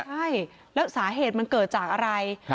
ใช่แล้วสาเหตุมันเกิดจากอะไร